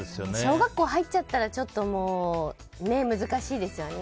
小学校入っちゃったらちょっと、難しいですよね。